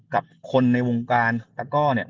กับคนในวงการตะก้อเนี่ย